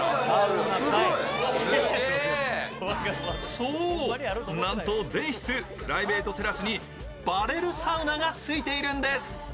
そう、なんと全室プライベートテラスにバレルサウナがついているんです。